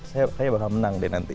saya bakal menang deh nanti